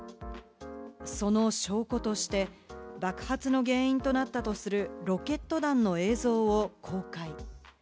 その証拠として爆発の原因となったとするロケット弾の映像を公開。